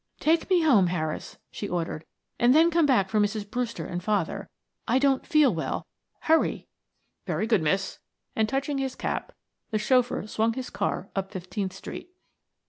"Take me home, Harris," she ordered. "And then come back for Mrs. Brewster and father. I don't feel well hurry." "Very good, miss," and touching his cap the chauffeur swung his car up Fifteenth Street.